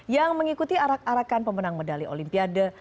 yang mengikuti arak arakan pemenang medali olimpiade